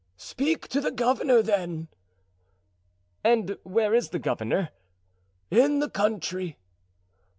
"Speak to the governor, then." "And where is the governor?" "In the country."